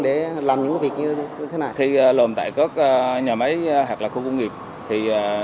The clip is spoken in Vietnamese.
để làm những việc như thế này hay lồ tại cớt nhà máy hạt lạc khu công nghiệp thì